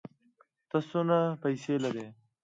ته څونه پېسې لرې؟